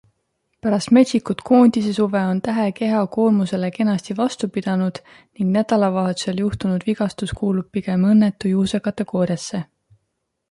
Pärast metsikut koondisesuve on Tähe keha koormusele kenasti vastu pidanud ning nädalavahetusel juhtunud vigastus kuulub pigem õnnetu juhuse kategooriasse.